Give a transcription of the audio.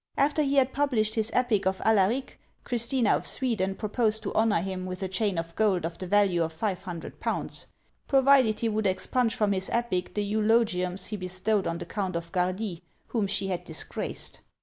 After he had published his epic of Alaric, Christina of Sweden proposed to honour him with a chain of gold of the value of five hundred pounds, provided he would expunge from his epic the eulogiums he bestowed on the Count of Gardie, whom she had disgraced.